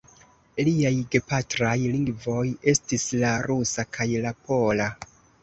Liaj gepatraj lingvoj estis la rusa kaj la pola.